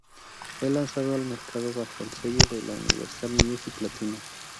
Fue lanzado al mercado bajo el sello de Universal Music Latino.